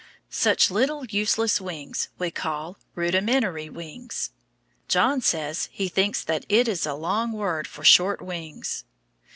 Such little useless wings we call "rudimentary" wings. John says he thinks that is a long word for short wings.